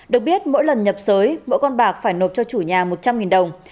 được biết mỗi lần nhập giới mỗi con bạc phải nộp cho chủ nhà một trăm linh đồng